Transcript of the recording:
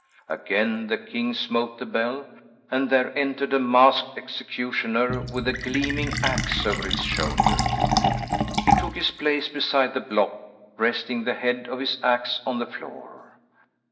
Again the king smote the bell and there entered a masked executioner with a gleaming axe over his shoulder. He took his place beside the block, resting the head of his axe on the floor.